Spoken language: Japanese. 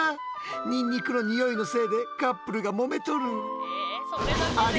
ニンニクのニオイのせいでカップルがもめとる。